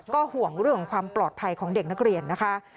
ห่วงเรื่องของความปลอดภัยของเด็กนักเรียนนะคะ